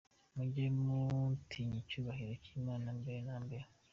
Mujye mutinya Icyubahiro cyimana mbere na mbere.